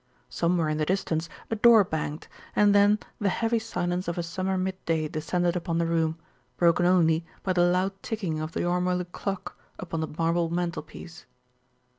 Somewhere in the distance a door banged, and then the heavy silence of a summer mid day descended upon the room, broken only by the loud ticking of the ormolu clock upon the marble mantelpiece.